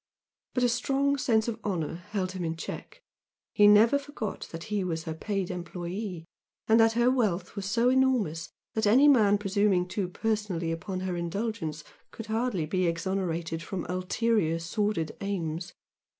But a strong sense of honour held him in check he never forgot that he was her paid employe, and that her wealth was so enormous that any man presuming too personally upon her indulgence could hardly be exonerated from ulterior sordid aims.